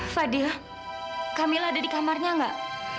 fadil camillah ada di kamarnya nggak